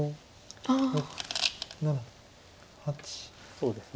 そうですね